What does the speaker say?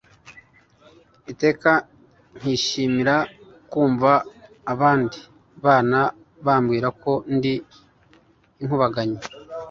iteka nkishimira kumva abandi bana bambwira ko ndi inkubaganyi